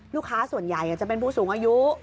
ลูกค้าส่วนใหญ่จะเป็นผู้สูงอายุ